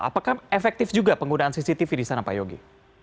apakah efektif juga penggunaan cctv di sana pak yogi